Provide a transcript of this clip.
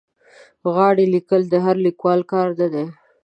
غاړې لیکل د هر لیکوال کار نه دی.